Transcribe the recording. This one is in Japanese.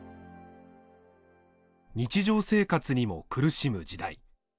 日常生活にも苦しむ時代。